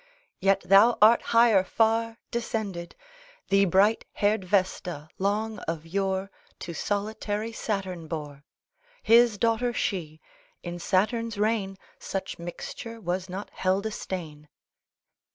Yet thou art higher far descended: Thee bright haired Vesta long of yore To solitary Saturn bore; His daughter she; in Saturn's reign Such mixture was not held a stain.